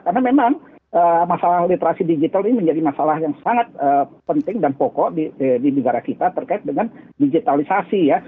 karena memang masalah literasi digital ini menjadi masalah yang sangat penting dan pokok di negara kita terkait dengan digitalisasi ya